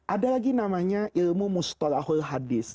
ada lagi namanya ilmu mustolahul hadis